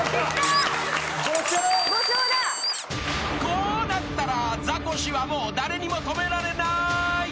［こうなったらザコシはもう誰にも止められない］